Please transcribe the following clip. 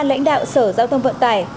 lãnh đạo sở giao thông vận tải